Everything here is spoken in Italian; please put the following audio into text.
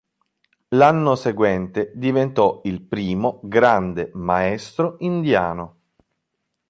L'anno seguente diventò il primo Grande Maestro indiano.